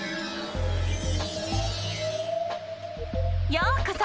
ようこそ！